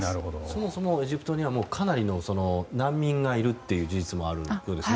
そもそもエジプトにはかなりの難民がいるという事実もあるようですね。